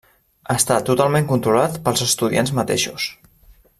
Està totalment controlat pels estudiants mateixos.